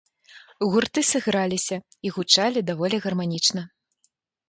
Гурты сыграліся і гучалі даволі гарманічна.